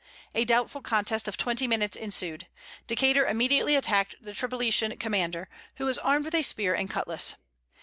A doubtful contest of twenty minutes ensued. Decater immediately attacked the Tripolitan commander, who was armed with a spear and cutlass.